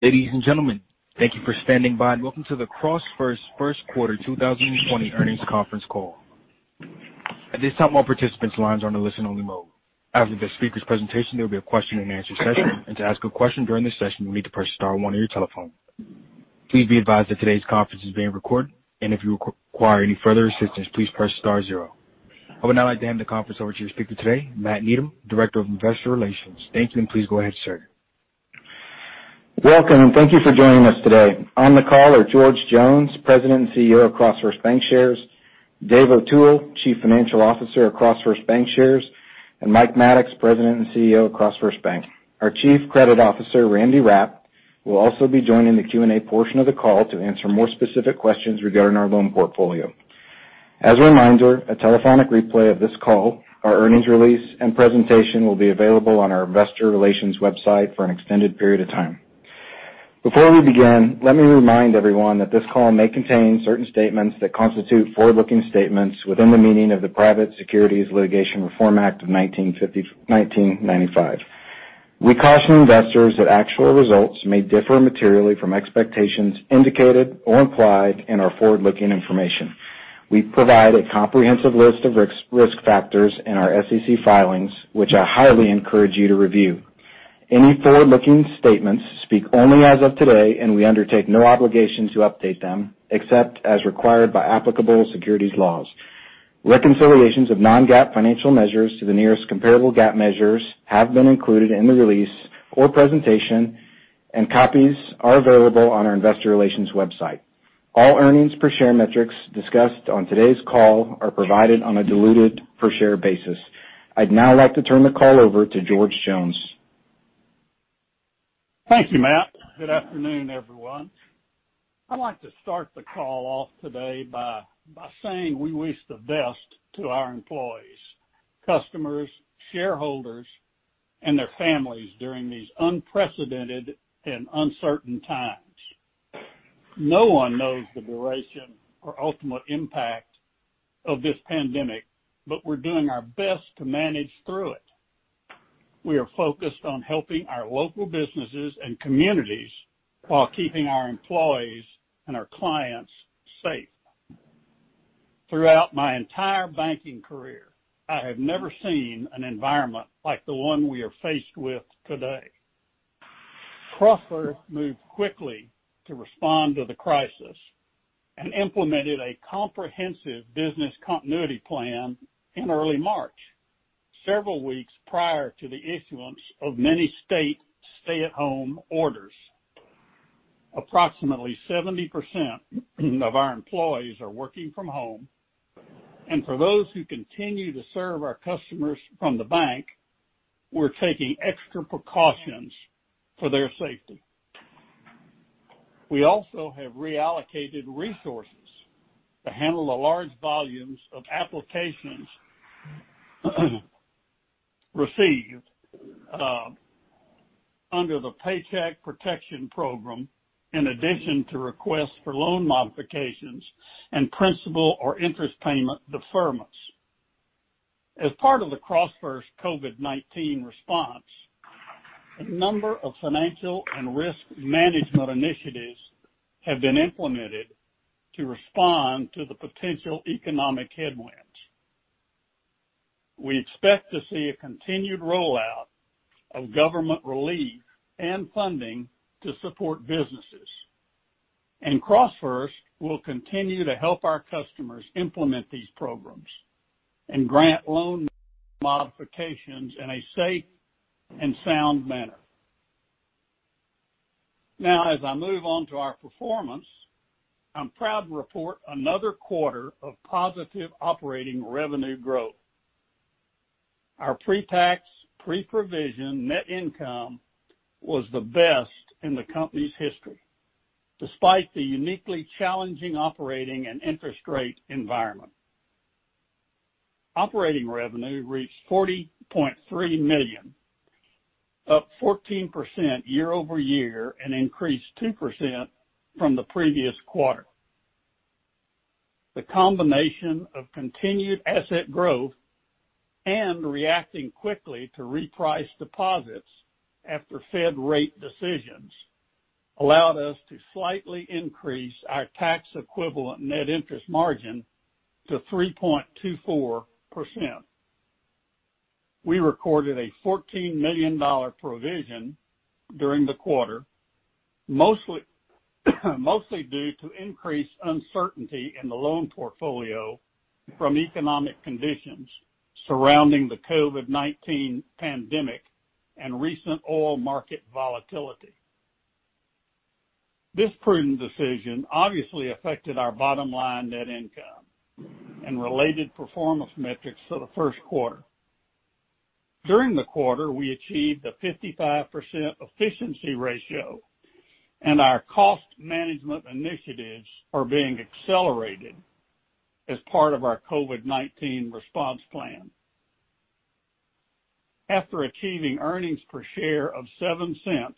Ladies and gentlemen, thank you for standing by and welcome to the CrossFirst first quarter 2020 earnings conference call. At this time, all participants' lines are in a listen-only mode. After the speaker's presentation, there'll be a question and answer session, and to ask a question during the session, you'll need to press star one on your telephone. Please be advised that today's conference is being recorded, and if you require any further assistance, please press star zero. I would now like to hand the conference over to your speaker today, Matt Needham, Director of Investor Relations. Thank you, and please go ahead, sir. Welcome, thank you for joining us today. On the call are George Jones, President and CEO of CrossFirst Bankshares, David O'Toole, Chief Financial Officer of CrossFirst Bankshares, and Mike Maddox, President and CEO of CrossFirst Bank. Our Chief Credit Officer Randy Rapp will also be joining the Q&A portion of the call to answer more specific questions regarding our loan portfolio. As a reminder, a telephonic replay of this call, our earnings release, and presentation will be available on our Investor Relations website for an extended period of time. Before we begin, let me remind everyone that this call may contain certain statements that constitute forward-looking statements within the meaning of the Private Securities Litigation Reform Act of 1995. We caution investors that actual results may differ materially from expectations indicated or implied in our forward-looking information. We provide a comprehensive list of risk factors in our SEC filings, which I highly encourage you to review. Any forward-looking statements speak only as of today, and we undertake no obligation to update them, except as required by applicable securities laws. Reconciliations of non-GAAP financial measures to the nearest comparable GAAP measures have been included in the release or presentation, and copies are available on our investor relations website. All earnings-per-share metrics discussed on today's call are provided on a diluted per share basis. I'd now like to turn the call over to George Jones. Thank you, Matt. Good afternoon, everyone. I'd like to start the call off today by saying we wish the best to our employees, customers, shareholders, and their families during these unprecedented and uncertain times. No one knows the duration or ultimate impact of this pandemic, but we're doing our best to manage through it. We are focused on helping our local businesses and communities while keeping our employees and our clients safe. Throughout my entire banking career, I have never seen an environment like the one we are faced with today. CrossFirst moved quickly to respond to the crisis and implemented a comprehensive business continuity plan in early March, several weeks prior to the issuance of many state stay-at-home orders. Approximately 70% of our employees are working from home, and for those who continue to serve our customers from the bank, we're taking extra precautions for their safety. We also have reallocated resources to handle the large volumes of applications received under the Paycheck Protection Program, in addition to requests for loan modifications and principal or interest payment deferments. As part of the CrossFirst COVID-19 response, a number of financial and risk management initiatives have been implemented to respond to the potential economic headwinds. We expect to see a continued rollout of government relief and funding to support businesses, and CrossFirst will continue to help our customers implement these programs and grant loan modifications in a safe and sound manner. Now, as I move on to our performance, I'm proud to report another quarter of positive operating revenue growth. Our pre-tax, pre-provision net income was the best in the company's history, despite the uniquely challenging operating and interest rate environment. Operating revenue reached $40.3 million, up 14% year-over-year, and increased 2% from the previous quarter. The combination of continued asset growth and reacting quickly to reprice deposits after Fed rate decisions allowed us to slightly increase our tax equivalent net interest margin to 3.24%. We recorded a $14 million provision during the quarter, mostly due to increased uncertainty in the loan portfolio from economic conditions surrounding the COVID-19 pandemic and recent oil market volatility. This prudent decision obviously affected our bottom line net income and related performance metrics for the first quarter. During the quarter, we achieved a 55% efficiency ratio, and our cost management initiatives are being accelerated as part of our COVID-19 response plan. After achieving earnings per share of $0.07,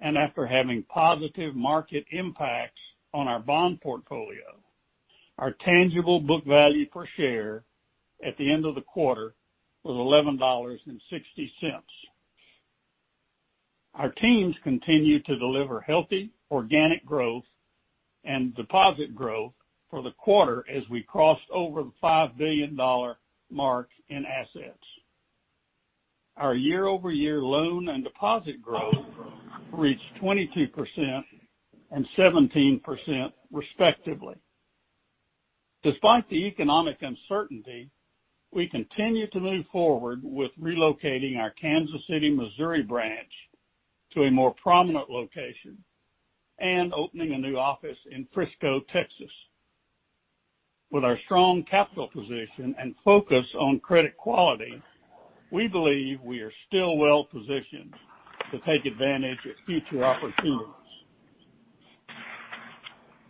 and after having positive market impacts on our bond portfolio. Our tangible book value per share at the end of the quarter was $11.60. Our teams continue to deliver healthy organic growth and deposit growth for the quarter as we crossed over the $5 billion mark in assets. Our year-over-year loan and deposit growth reached 22% and 17%, respectively. Despite the economic uncertainty, we continue to move forward with relocating our Kansas City, Missouri branch to a more prominent location and opening a new office in Frisco, Texas. With our strong capital position and focus on credit quality, we believe we are still well-positioned to take advantage of future opportunities.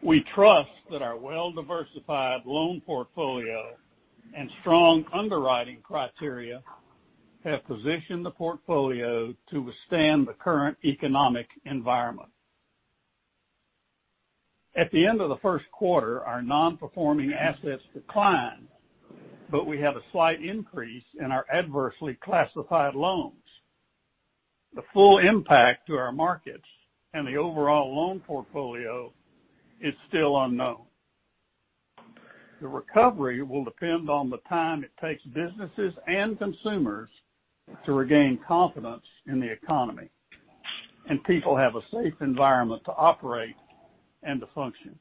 We trust that our well-diversified loan portfolio and strong underwriting criteria have positioned the portfolio to withstand the current economic environment. At the end of the first quarter, our non-performing assets declined, but we have a slight increase in our adversely classified loans. The full impact to our markets and the overall loan portfolio is still unknown. The recovery will depend on the time it takes businesses and consumers to regain confidence in the economy, and people have a safe environment to operate and to function.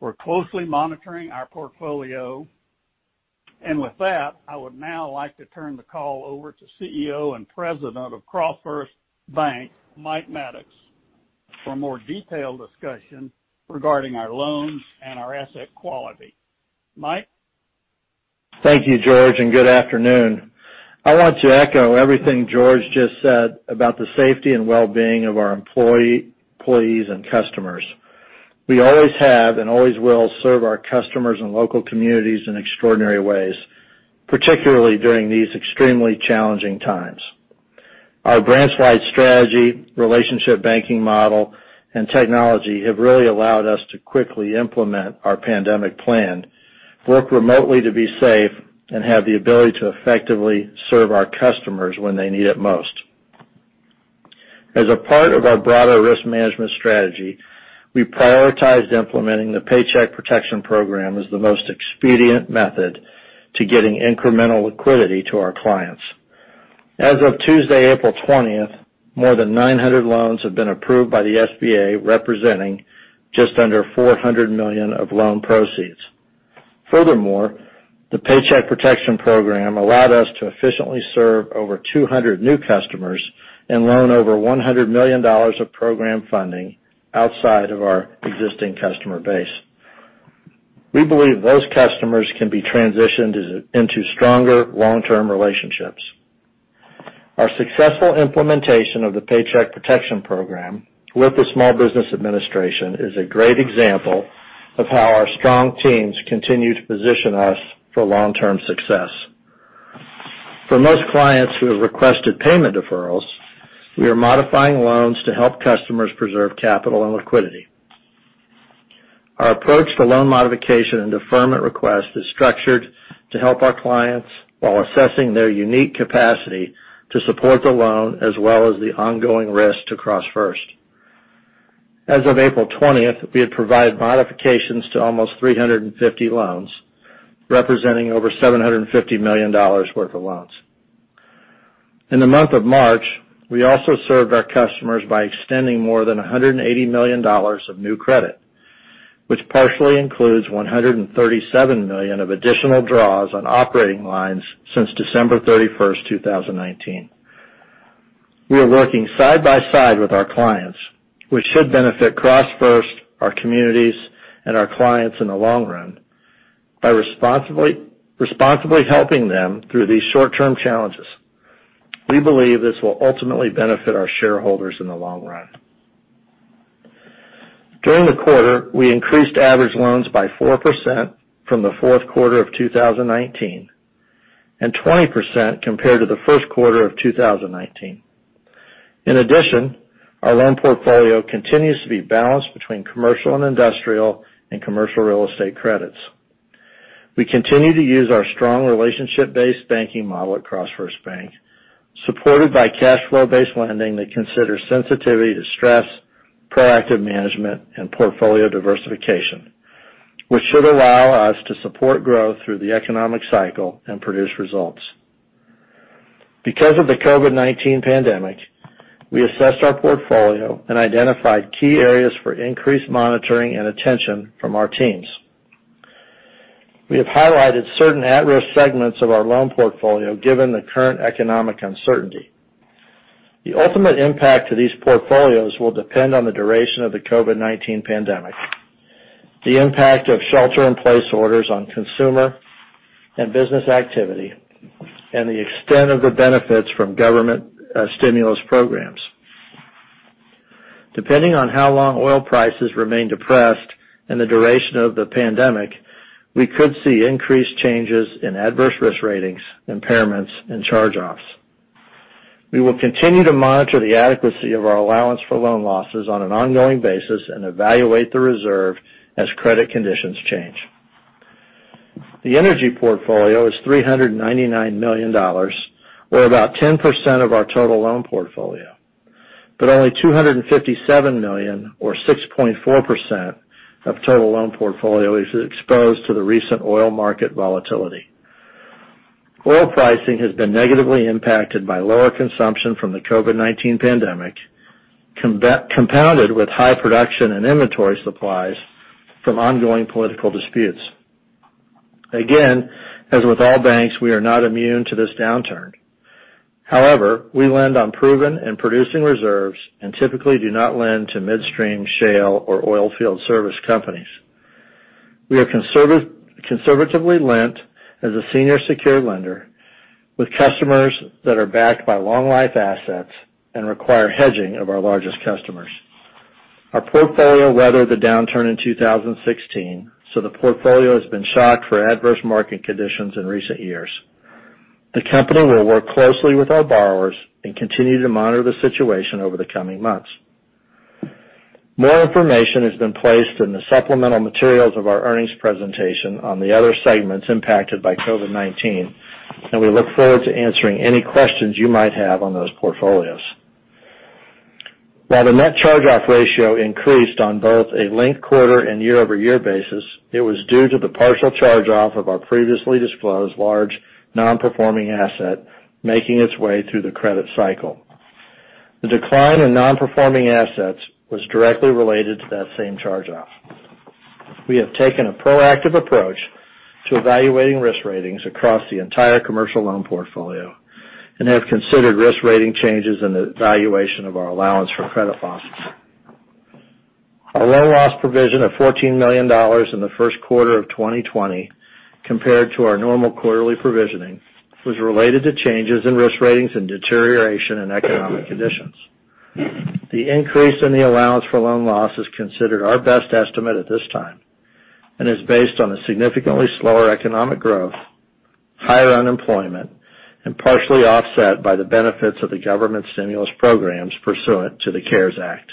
We're closely monitoring our portfolio. With that, I would now like to turn the call over to CEO and President of CrossFirst Bank, Mike Maddox, for a more detailed discussion regarding our loans and our asset quality. Mike? Thank you, George. Good afternoon. I want to echo everything George just said about the safety and well-being of our employees and customers. We always have and always will serve our customers and local communities in extraordinary ways, particularly during these extremely challenging times. Our branch-wide strategy, relationship banking model, and technology have really allowed us to quickly implement our pandemic plan, work remotely to be safe, and have the ability to effectively serve our customers when they need it most. As a part of our broader risk management strategy, we prioritized implementing the Paycheck Protection Program as the most expedient method to getting incremental liquidity to our clients. As of Tuesday, April 20th, more than 900 loans have been approved by the SBA, representing just under $400 million of loan proceeds. The Paycheck Protection Program allowed us to efficiently serve over 200 new customers and loan over $100 million of program funding outside of our existing customer base. We believe those customers can be transitioned into stronger long-term relationships. Our successful implementation of the Paycheck Protection Program with the Small Business Administration is a great example of how our strong teams continue to position us for long-term success. For most clients who have requested payment deferrals, we are modifying loans to help customers preserve capital and liquidity. Our approach to loan modification and deferment request is structured to help our clients while assessing their unique capacity to support the loan, as well as the ongoing risk to CrossFirst. As of April 20th, we had provided modifications to almost 350 loans, representing over $750 million worth of loans. In the month of March, we also served our customers by extending more than $180 million of new credit, which partially includes $137 million of additional draws on operating lines since December 31st, 2019. We are working side by side with our clients, which should benefit CrossFirst, our communities, and our clients in the long run by responsibly helping them through these short-term challenges. We believe this will ultimately benefit our shareholders in the long run. During the quarter, we increased average loans by 4% from the fourth quarter of 2019 and 20% compared to the first quarter of 2019. In addition, our loan portfolio continues to be balanced between commercial and industrial and commercial real estate credits. We continue to use our strong relationship-based banking model at CrossFirst Bank, supported by cash flow-based lending that considers sensitivity to stress, proactive management, and portfolio diversification, which should allow us to support growth through the economic cycle and produce results. Because of the COVID-19 pandemic, we assessed our portfolio and identified key areas for increased monitoring and attention from our teams. We have highlighted certain at-risk segments of our loan portfolio, given the current economic uncertainty. The ultimate impact to these portfolios will depend on the duration of the COVID-19 pandemic, the impact of shelter-in-place orders on consumer and business activity, and the extent of the benefits from government stimulus programs. Depending on how long oil prices remain depressed and the duration of the pandemic, we could see increased changes in adverse risk ratings, impairments, and charge-offs. We will continue to monitor the adequacy of our allowance for loan losses on an ongoing basis and evaluate the reserve as credit conditions change. The energy portfolio is $399 million, or about 10% of our total loan portfolio, but only $257 million, or 6.4%, of total loan portfolio is exposed to the recent oil market volatility. Oil pricing has been negatively impacted by lower consumption from the COVID-19 pandemic, compounded with high production and inventory supplies from ongoing political disputes. Again, as with all banks, we are not immune to this downturn. However, we lend on proven and producing reserves and typically do not lend to midstream shale or oil field service companies. We are conservatively lent as a senior secured lender with customers that are backed by long-life assets and require hedging of our largest customers. Our portfolio weathered the downturn in 2016, so the portfolio has been shocked for adverse market conditions in recent years. The company will work closely with our borrowers and continue to monitor the situation over the coming months. More information has been placed in the supplemental materials of our earnings presentation on the other segments impacted by COVID-19, and we look forward to answering any questions you might have on those portfolios. While the net charge-off ratio increased on both a linked quarter and year-over-year basis, it was due to the partial charge-off of our previously disclosed large non-performing asset making its way through the credit cycle. The decline in non-performing assets was directly related to that same charge-off. We have taken a proactive approach to evaluating risk ratings across the entire commercial loan portfolio and have considered risk rating changes in the valuation of our allowance for credit losses. Our loan loss provision of $14 million in the first quarter of 2020 compared to our normal quarterly provisioning, was related to changes in risk ratings and deterioration in economic conditions. The increase in the allowance for loan loss is considered our best estimate at this time, and is based on a significantly slower economic growth, higher unemployment, and partially offset by the benefits of the government stimulus programs pursuant to the CARES Act.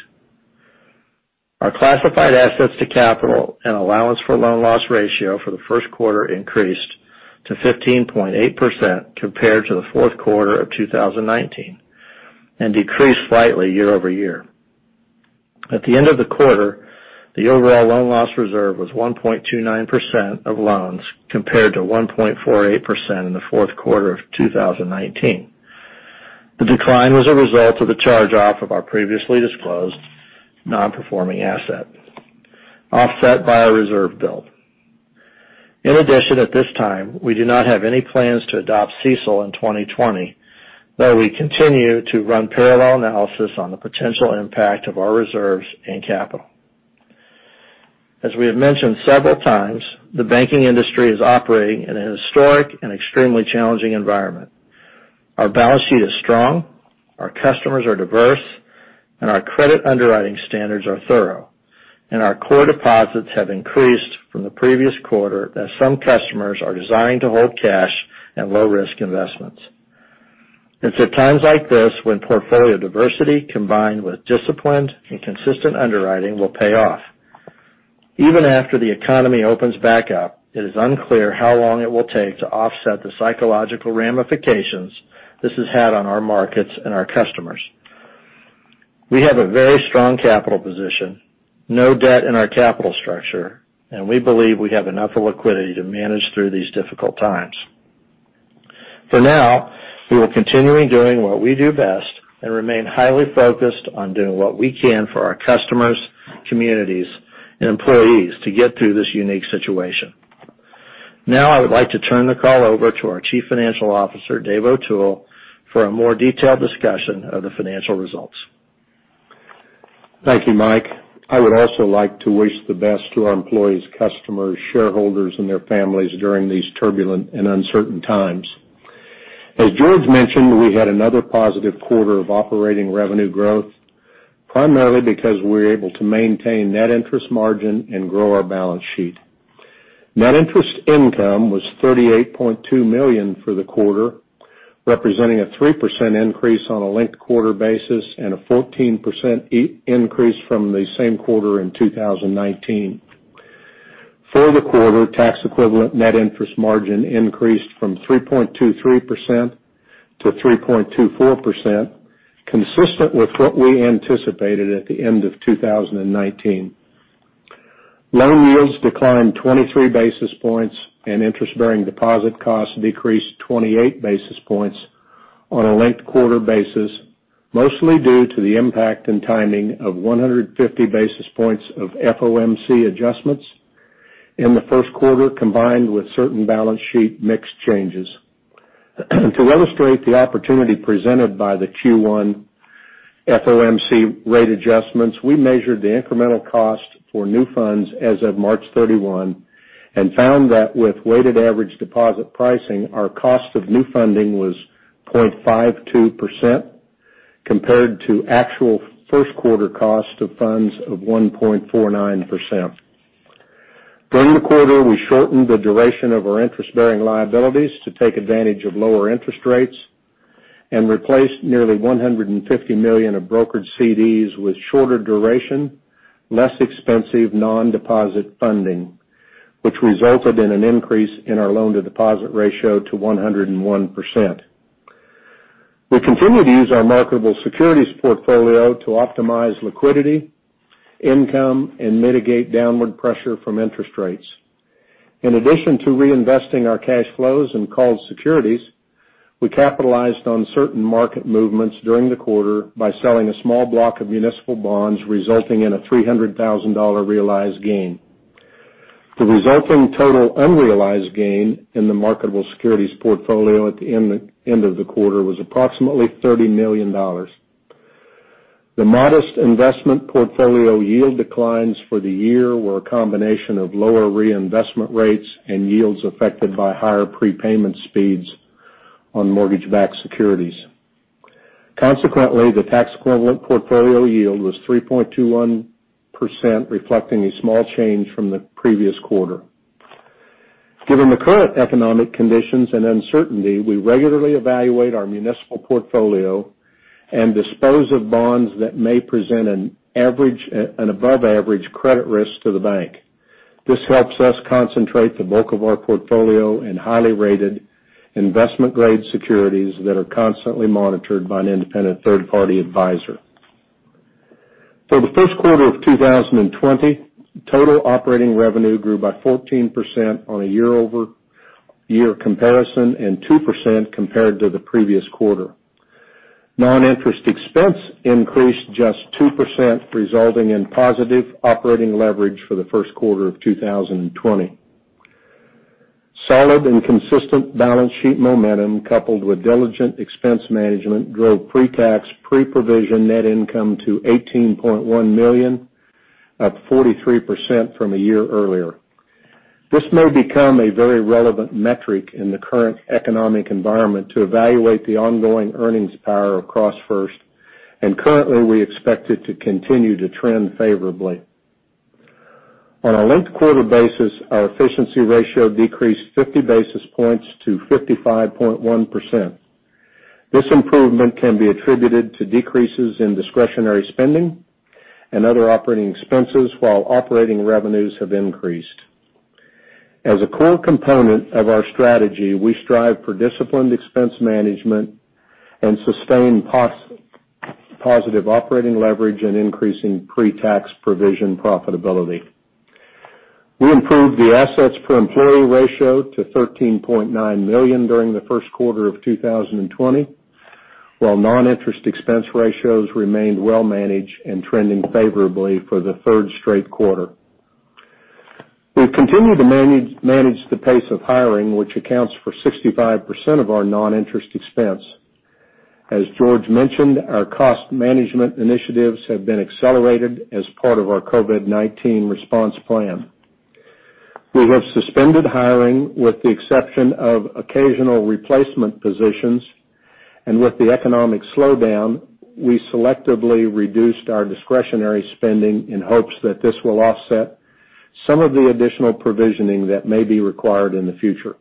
Our classified assets to capital and allowance for loan loss ratio for the first quarter increased to 15.8% compared to the fourth quarter of 2019, and decreased slightly year-over-year. At the end of the quarter, the overall loan loss reserve was 1.29% of loans, compared to 1.48% in the fourth quarter of 2019. The decline was a result of the charge-off of our previously disclosed non-performing asset, offset by a reserve build. In addition, at this time, we do not have any plans to adopt CECL in 2020, though we continue to run parallel analysis on the potential impact of our reserves and capital. As we have mentioned several times, the banking industry is operating in a historic and extremely challenging environment. Our balance sheet is strong, our customers are diverse, and our credit underwriting standards are thorough. Our core deposits have increased from the previous quarter as some customers are desiring to hold cash and low-risk investments. It's at times like this when portfolio diversity, combined with disciplined and consistent underwriting, will pay off. Even after the economy opens back up, it is unclear how long it will take to offset the psychological ramifications this has had on our markets and our customers. We have a very strong capital position, no debt in our capital structure, and we believe we have enough liquidity to manage through these difficult times. For now, we will continue doing what we do best and remain highly focused on doing what we can for our customers, communities, and employees to get through this unique situation. Now, I would like to turn the call over to our Chief Financial Officer, David O'Toole, for a more detailed discussion of the financial results. Thank you, Mike. I would also like to wish the best to our employees, customers, shareholders, and their families during these turbulent and uncertain times. As George mentioned, we had another positive quarter of operating revenue growth, primarily because we were able to maintain net interest margin and grow our balance sheet. Net interest income was $38.2 million for the quarter, representing a 3% increase on a linked quarter basis and a 14% increase from the same quarter in 2019. For the quarter, tax-equivalent net interest margin increased from 3.23% to 3.24%, consistent with what we anticipated at the end of 2019. Loan yields declined 23 basis points and interest-bearing deposit costs decreased 28 basis points on a linked quarter basis, mostly due to the impact and timing of 150 basis points of FOMC adjustments in the first quarter, combined with certain balance sheet mix changes. To illustrate the opportunity presented by the Q1 FOMC rate adjustments, we measured the incremental cost for new funds as of March 31 and found that with weighted average deposit pricing, our cost of new funding was 0.52%, compared to actual first quarter cost of funds of 1.49%. During the quarter, we shortened the duration of our interest-bearing liabilities to take advantage of lower interest rates and replaced nearly $150 million of brokered CDs with shorter duration, less expensive non-deposit funding, which resulted in an increase in our loan-to-deposit ratio to 101%. We continue to use our marketable securities portfolio to optimize liquidity, income, and mitigate downward pressure from interest rates. In addition to reinvesting our cash flows in called securities, we capitalized on certain market movements during the quarter by selling a small block of municipal bonds, resulting in a $300,000 realized gain. The resulting total unrealized gain in the marketable securities portfolio at the end of the quarter was approximately $30 million. The modest investment portfolio yield declines for the year were a combination of lower reinvestment rates and yields affected by higher prepayment speeds on mortgage-backed securities. Consequently, the tax-equivalent portfolio yield was 3.21%, reflecting a small change from the previous quarter. Given the current economic conditions and uncertainty, we regularly evaluate our municipal portfolio and dispose of bonds that may present an above-average credit risk to the bank. This helps us concentrate the bulk of our portfolio in highly rated investment-grade securities that are constantly monitored by an independent third-party advisor. For the first quarter of 2020, total operating revenue grew by 14% on a year-over-year comparison and 2% compared to the previous quarter. Non-interest expense increased just 2%, resulting in positive operating leverage for the first quarter of 2020. Solid and consistent balance sheet momentum, coupled with diligent expense management, drove pre-tax, pre-provision net income to $18.1 million, up 43% from a year earlier. This may become a very relevant metric in the current economic environment to evaluate the ongoing earnings power of CrossFirst, and currently, we expect it to continue to trend favorably. On a linked-quarter basis, our efficiency ratio decreased 50 basis points to 55.1%. This improvement can be attributed to decreases in discretionary spending and other operating expenses while operating revenues have increased. As a core component of our strategy, we strive for disciplined expense management and sustained positive operating leverage and increasing pre-tax provision profitability. We improved the assets per employee ratio to $13.9 million during the first quarter of 2020, while non-interest expense ratios remained well managed and trending favorably for the third straight quarter. We've continued to manage the pace of hiring, which accounts for 65% of our non-interest expense. As George mentioned, our cost management initiatives have been accelerated as part of our COVID-19 response plan. We have suspended hiring, with the exception of occasional replacement positions, and with the economic slowdown, we selectively reduced our discretionary spending in hopes that this will offset some of the additional provisioning that may be required in the future.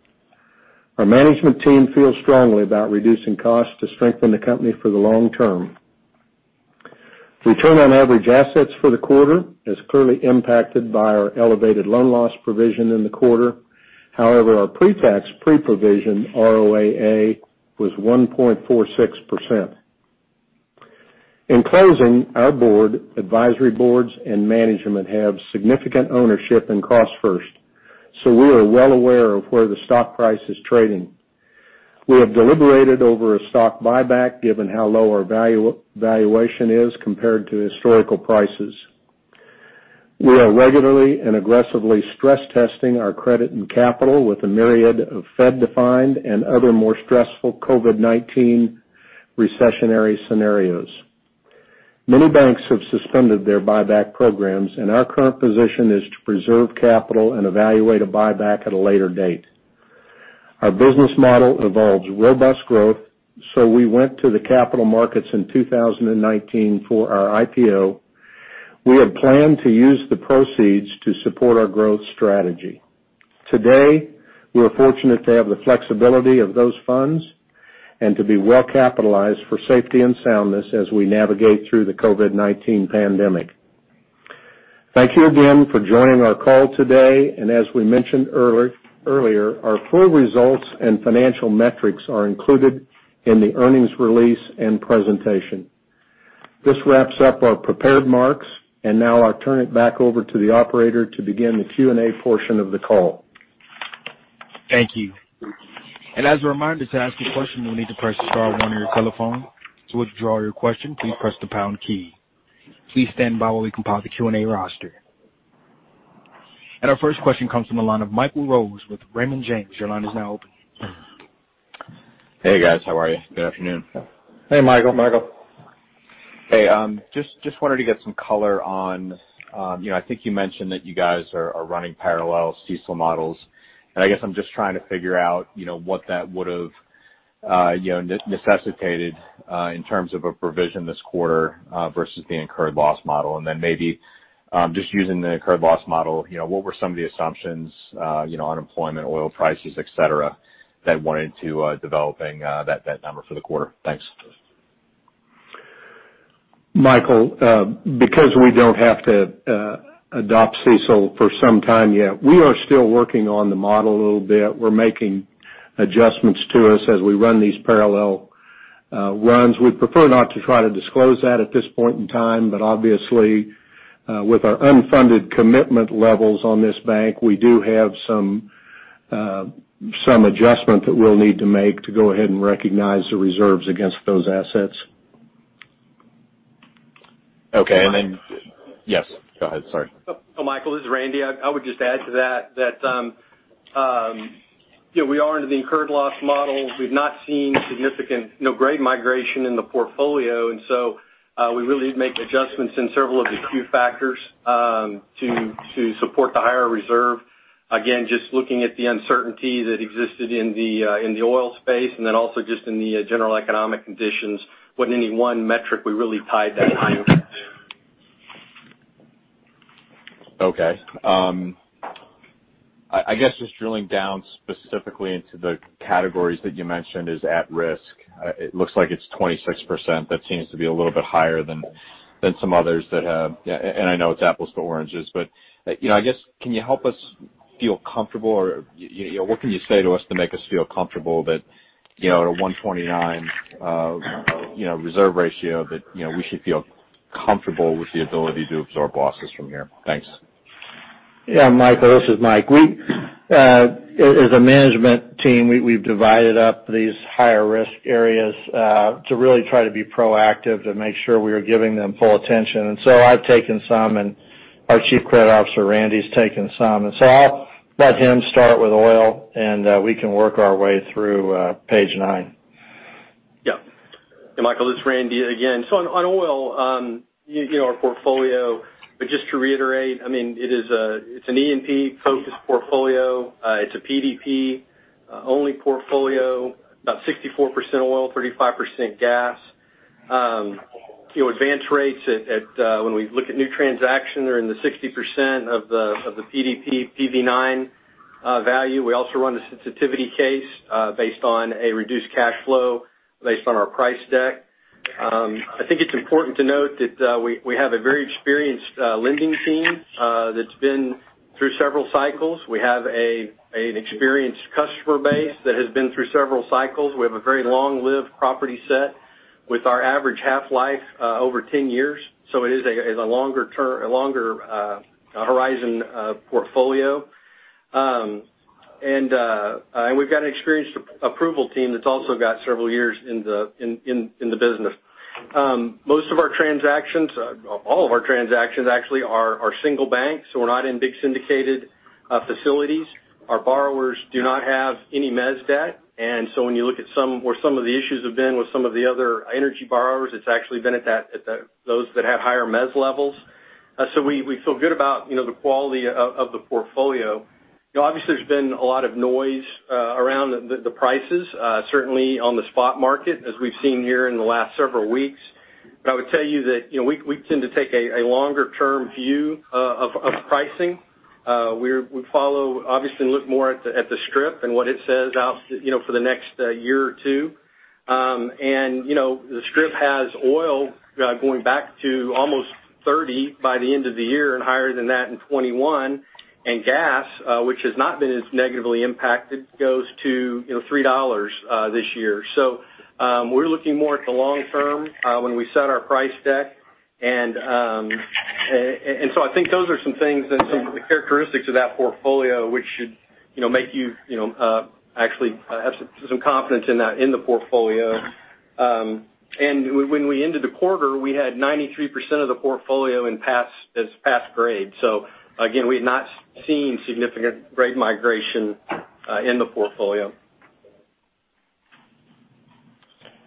Our management team feels strongly about reducing costs to strengthen the company for the long term. Return on average assets for the quarter is clearly impacted by our elevated loan loss provision in the quarter. However, our pre-tax, pre-provision ROAA was 1.46%. In closing, our board, advisory boards, and management have significant ownership in CrossFirst, so we are well aware of where the stock price is trading. We have deliberated over a stock buyback, given how low our valuation is compared to historical prices. We are regularly and aggressively stress-testing our credit and capital with a myriad of Fed-defined and other more stressful COVID-19 recessionary scenarios. Many banks have suspended their buyback programs, and our current position is to preserve capital and evaluate a buyback at a later date. Our business model involves robust growth, so we went to the capital markets in 2019 for our IPO. We had planned to use the proceeds to support our growth strategy. Today, we are fortunate to have the flexibility of those funds and to be well-capitalized for safety and soundness as we navigate through the COVID-19 pandemic. Thank you again for joining our call today, and as we mentioned earlier, our full results and financial metrics are included in the earnings release and presentation. This wraps up our prepared remarks, and now I'll turn it back over to the operator to begin the Q&A portion of the call. Thank you. As a reminder, to ask a question, you'll need to press star one on your telephone. To withdraw your question, please press the pound key. Please stand by while we compile the Q&A roster. Our first question comes from the line of Michael Rose with Raymond James. Your line is now open. Hey, guys. How are you? Good afternoon. Hey, Michael. Michael. Hey, just wanted to get some color on I think you mentioned that you guys are running parallel CECL models, and I guess I'm just trying to figure out what that would have necessitated, in terms of a provision this quarter versus the incurred loss model. Then maybe just using the incurred loss model, what were some of the assumptions, unemployment, oil prices, et cetera, that went into developing that number for the quarter? Thanks. Michael, because we don't have to adopt CECL for some time yet, we are still working on the model a little bit. We're making adjustments to this as we run these parallel runs. We'd prefer not to try to disclose that at this point in time, but obviously, with our unfunded commitment levels on this bank, we do have some adjustment that we'll need to make to go ahead and recognize the reserves against those assets. Okay. Yes, go ahead. Sorry. Michael, this is Randy. I would just add to that we are into the incurred loss model. We've not seen significant grade migration in the portfolio, we really make adjustments in several of the Q factors to support the higher reserve. Just looking at the uncertainty that existed in the oil space also just in the general economic conditions. Wasn't any one metric we really tied that high. Okay. I guess just drilling down specifically into the categories that you mentioned is at risk. It looks like it's 26%. That seems to be a little bit higher than some others, and I know it's apples to oranges, but I guess, can you help us feel comfortable or what can you say to us to make us feel comfortable that at a 129 reserve ratio, that we should feel comfortable with the ability to absorb losses from here? Thanks. Michael, this is Mike. As a management team, we've divided up these higher risk areas to really try to be proactive to make sure we are giving them full attention. So I've taken some, and our Chief Credit Officer, Randy's, taken some. So I'll let him start with oil, and we can work our way through page nine. Yeah. Michael, this is Randy again. On oil, our portfolio, but just to reiterate, it's an E&P focused portfolio. It's a PDP only portfolio, about 64% oil, 35% gas. Advanced rates when we look at new transaction, they're in the 60% of the PDP PV-9 value. We also run the sensitivity case based on a reduced cash flow based on our price deck. I think it's important to note that we have a very experienced lending team that's been through several cycles. We have an experienced customer base that has been through several cycles. We have a very long-lived property set with our average half-life over 10 years, so it is a longer horizon portfolio. We've got an experienced approval team that's also got several years in the business. Most of our transactions, all of our transactions actually, are single bank. We're not in big syndicated facilities. Our borrowers do not have any mezz debt. When you look at where some of the issues have been with some of the other energy borrowers, it's actually been at those that have higher mezz levels. So we feel good about, you know, the quality of the portfolio. Obviously, there's been a lot of noise around the prices, certainly on the spot market, as we've seen here in the last several weeks I would tell you that we tend to take a longer term view of pricing. We follow, obviously, and look more at the strip and what it says out for the next year or two. The strip has oil going back to almost 30 by the end of the year and higher than that in 2021. Gas, which has not been as negatively impacted, goes to $3 this year. We're looking more at the long term when we set our price deck. I think those are some things and some of the characteristics of that portfolio, which should make you actually have some confidence in the portfolio. When we ended the quarter, we had 93% of the portfolio as past grade. Again, we had not seen significant grade migration in the portfolio.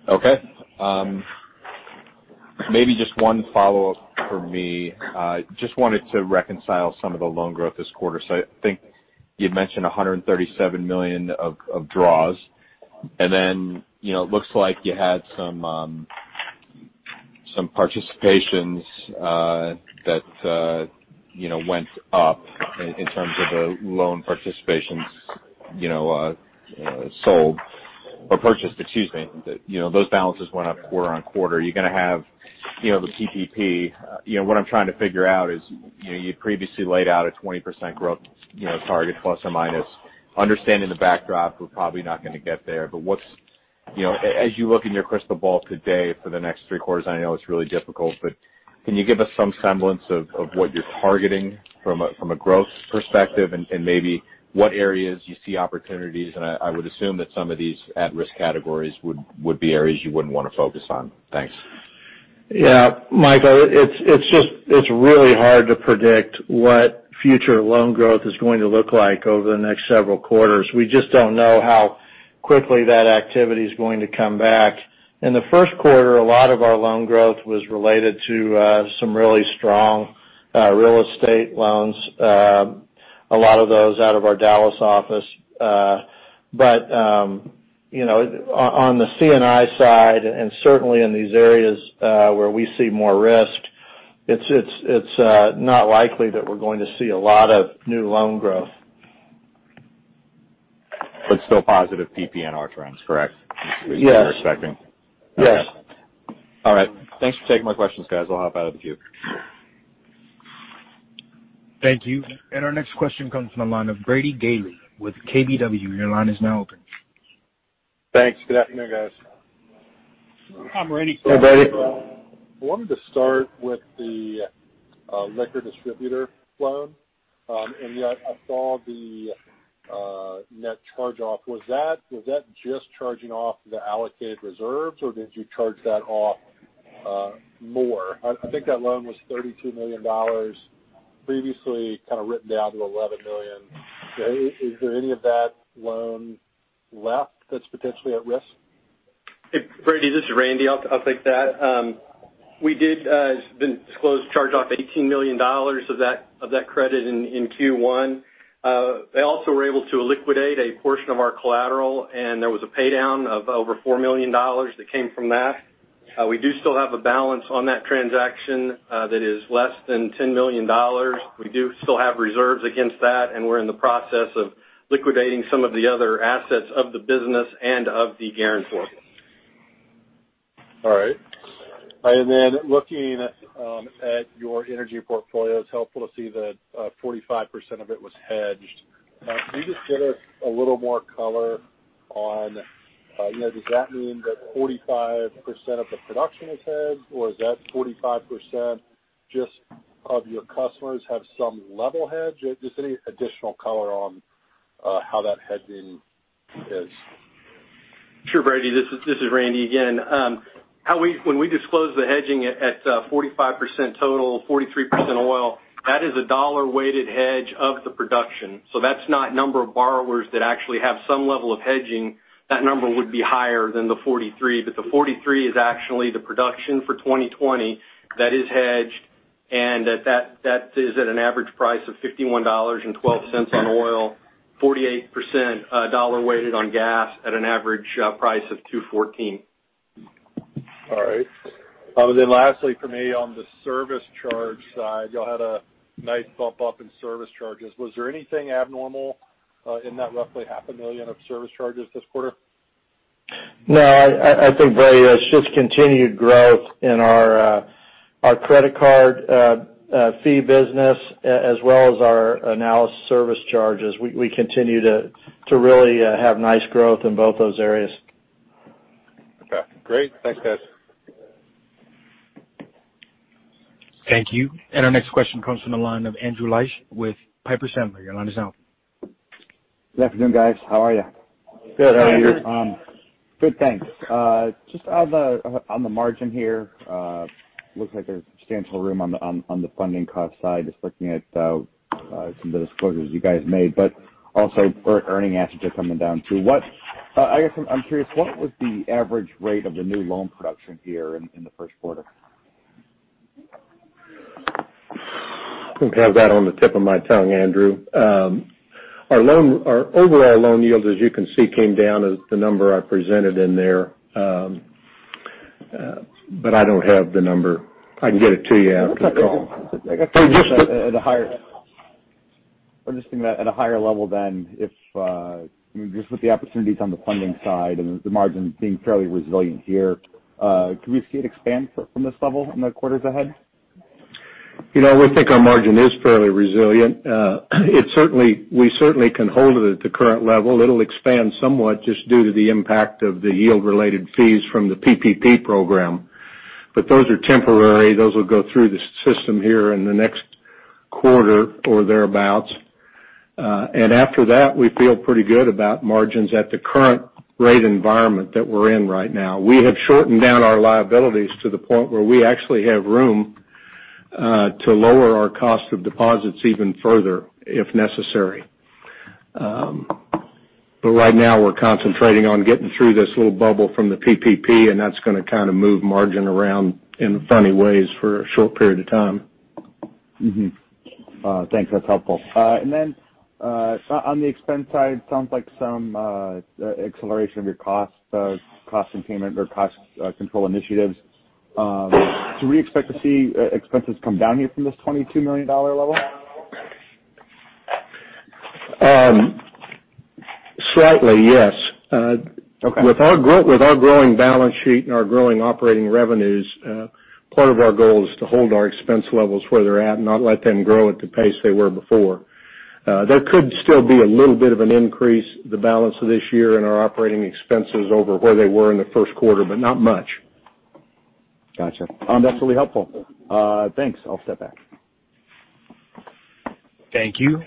Okay. Maybe just one follow-up from me. Just wanted to reconcile some of the loan growth this quarter. I think you'd mentioned $137 million of draws, and then it looks like you had some participations that went up in terms of the loan participations sold or purchased, excuse me. Those balances went up quarter-on-quarter. You're going to have the PPP. What I'm trying to figure out is you previously laid out a 20% growth target plus or minus. Understanding the backdrop, we're probably not going to get there. As you look in your crystal ball today for the next three quarters, I know it's really difficult, but can you give us some semblance of what you're targeting from a growth perspective and maybe what areas you see opportunities? I would assume that some of these at-risk categories would be areas you wouldn't want to focus on. Thanks. Yeah. Michael, it's really hard to predict what future loan growth is going to look like over the next several quarters. We just don't know how quickly that activity's going to come back. In the first quarter, a lot of our loan growth was related to some really strong real estate loans. A lot of those out of our Dallas office. On the C&I side, and certainly in these areas where we see more risk, it's not likely that we're going to see a lot of new loan growth. Still positive PPNR trends, correct? Yes. Is what you're expecting. Yes. All right. Thanks for taking my questions, guys. I'll hop out of the queue. Thank you. Our next question comes from the line of Brady Gailey with KBW. Your line is now open. Thanks. Good afternoon, guys. Hi, Brady. Hey, Brady. I wanted to start with the liquor distributor loan. In that, I saw the net charge-off. Was that just charging off the allocated reserves, or did you charge that off more? I think that loan was $32 million previously, kind of written down to $11 million. Is there any of that loan left that's potentially at risk? Hey, Brady, this is Randy. I'll take that. We did, as been disclosed, charge off $18 million of that credit in Q1. They also were able to liquidate a portion of our collateral, and there was a pay-down of over $4 million that came from that. We do still have a balance on that transaction that is less than $10 million. We do still have reserves against that, and we're in the process of liquidating some of the other assets of the business and of the guarantor. All right. Looking at your energy portfolio, it's helpful to see that 45% of it was hedged. Can you just give us a little more color on does that mean that 45% of the production is hedged, or is that 45% just of your customers have some level hedge? Just any additional color on how that hedging is? Sure, Brady. This is Randy again. When we disclose the hedging at 45% total, 43% oil, that is a dollar-weighted hedge of the production. That's not number of borrowers that actually have some level of hedging. That number would be higher than the 43. The 43 is actually the production for 2020 that is hedged, and that is at an average price of $51.12 on oil, 48% dollar-weighted on gas at an average price of $2.14. All right. Lastly for me, on the service charge side, y'all had a nice bump up in service charges. Was there anything abnormal in that roughly $500,000 of service charges this quarter? No, I think, Brady, it's just continued growth in our credit card fee business as well as our analysis service charges. We continue to really have nice growth in both those areas. Okay, great. Thanks, guys. Thank you. Our next question comes from the line of Andrew Liesch with Piper Sandler. Your line is now open. Good afternoon, guys. How are you? Good. How are you? Good, thanks. Just on the margin here, looks like there's substantial room on the funding cost side, just looking at some of the disclosures you guys made, but also earning assets are coming down, too. I guess I'm curious, what was the average rate of the new loan production here in the first quarter? I don't have that on the tip of my tongue, Andrew. Our overall loan yields, as you can see, came down at the number I presented in there. I don't have the number. I can get it to you after the call. I'm just thinking that at a higher level than if, just with the opportunities on the funding side and the margin being fairly resilient here, can we see it expand from this level in the quarters ahead? We think our margin is fairly resilient. We certainly can hold it at the current level. It'll expand somewhat just due to the impact of the yield-related fees from the PPP Program. Those are temporary. Those will go through the system here in the next quarter or thereabouts. After that, we feel pretty good about margins at the current rate environment that we're in right now. We have shortened down our liabilities to the point where we actually have room to lower our cost of deposits even further, if necessary. Right now, we're concentrating on getting through this little bubble from the PPP, and that's going to kind of move margin around in funny ways for a short period of time. Thanks. That's helpful. On the expense side, sounds like some acceleration of your cost containment or cost control initiatives. Should we expect to see expenses come down here from this $22 million level? Slightly, yes. Okay. With our growing balance sheet and our growing operating revenues, part of our goal is to hold our expense levels where they're at and not let them grow at the pace they were before. There could still be a little bit of an increase the balance of this year in our operating expenses over where they were in the first quarter, but not much. Got you. That's really helpful. Thanks. I'll step back. Thank you.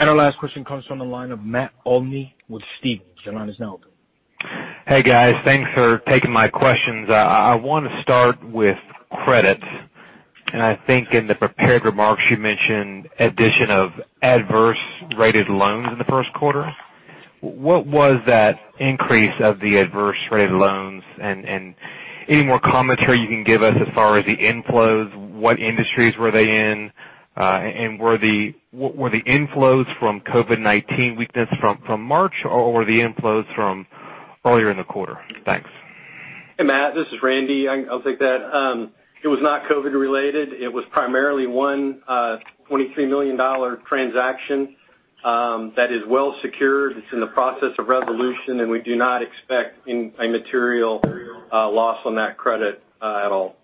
Our last question comes from the line of Matt Olney with Stephens. Your line is now open. Hey, guys. Thanks for taking my questions. I want to start with credit, and I think in the prepared remarks, you mentioned addition of adverse-rated loans in the first quarter. What was that increase of the adverse-rated loans? Any more commentary you can give us as far as the inflows, what industries were they in? Were the inflows from COVID-19 weakness from March, or were the inflows from earlier in the quarter? Thanks. Hey, Matt, this is Randy. I'll take that. It was not COVID related. It was primarily one $23 million transaction that is well secured. It's in the process of resolution. We do not expect a material loss on that credit at all.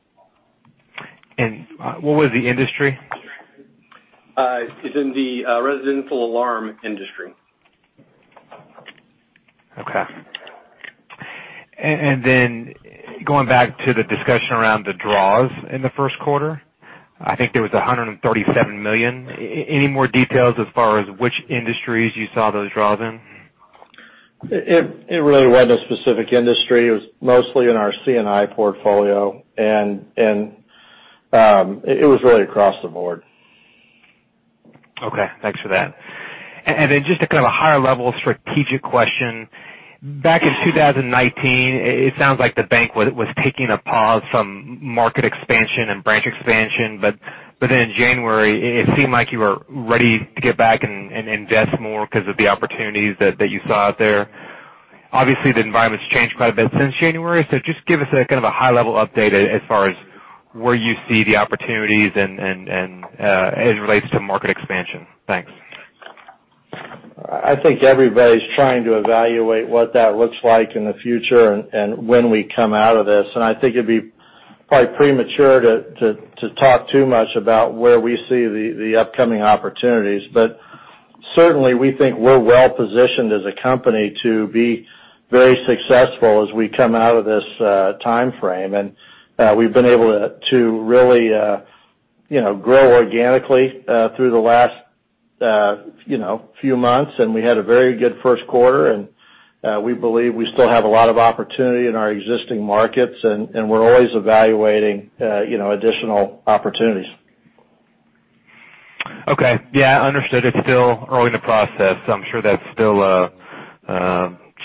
What was the industry? It's in the residential alarm industry. Okay. Going back to the discussion around the draws in the first quarter, I think there was $137 million. Any more details as far as which industries you saw those draws in? It really wasn't a specific industry. It was mostly in our C&I portfolio, and it was really across the board. Okay, thanks for that. Just a kind of a higher level strategic question. Back in 2019, it sounds like the bank was taking a pause from market expansion and branch expansion, but then in January, it seemed like you were ready to get back and invest more because of the opportunities that you saw out there. Obviously, the environment's changed quite a bit since January, so just give us a kind of a high level update as far as where you see the opportunities and as it relates to market expansion. Thanks. I think everybody's trying to evaluate what that looks like in the future and when we come out of this, and I think it'd be probably premature to talk too much about where we see the upcoming opportunities. Certainly, we think we're well-positioned as a company to be very successful as we come out of this timeframe. We've been able to really grow organically through the last few months, and we had a very good first quarter. We believe we still have a lot of opportunity in our existing markets, and we're always evaluating additional opportunities. Okay. Yeah, understood. It's still early in the process. I'm sure that's still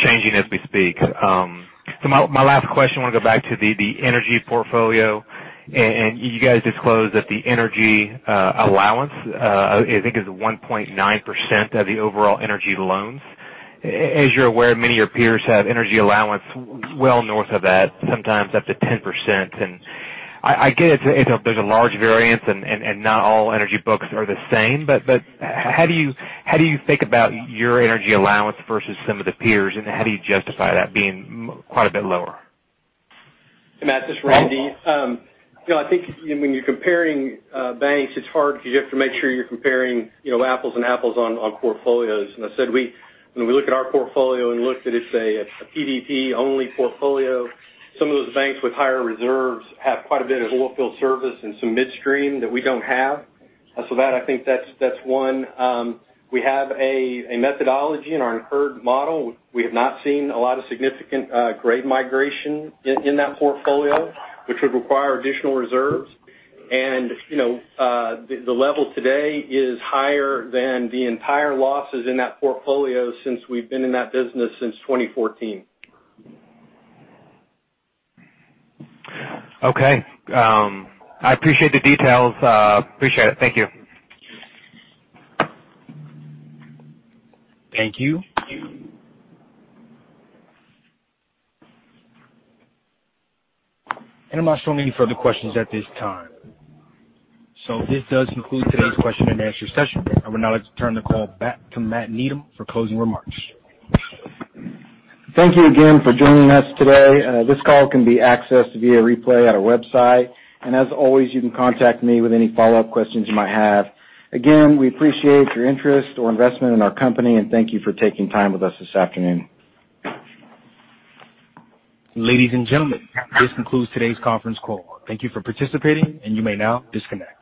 changing as we speak. My last question, I want to go back to the energy portfolio, and you guys disclosed that the energy allowance, I think it's 1.9% of the overall energy loans. As you're aware, many of your peers have energy allowance well north of that, sometimes up to 10%. I get it, there's a large variance, and not all energy books are the same, but how do you think about your energy allowance versus some of the peers, and how do you justify that being quite a bit lower? Matt, this is Randy. I think when you're comparing banks, it's hard because you have to make sure you're comparing apples and apples on portfolios. I said when we look at our portfolio and look that it's a PDP only portfolio, some of those banks with higher reserves have quite a bit of oil field service and some midstream that we don't have. I think that's one. We have a methodology in our incurred model. We have not seen a lot of significant grade migration in that portfolio, which would require additional reserves. The level today is higher than the entire losses in that portfolio since we've been in that business since 2014. Okay. I appreciate the details. Appreciate it. Thank you. Thank you. I'm not showing any further questions at this time. This does conclude today's question and answer session. I would now like to turn the call back to Matt Needham for closing remarks. Thank you again for joining us today. This call can be accessed via replay at our website. As always, you can contact me with any follow-up questions you might have. Again, we appreciate your interest or investment in our company, and thank you for taking time with us this afternoon. Ladies and gentlemen, this concludes today's conference call. Thank you for participating, and you may now disconnect.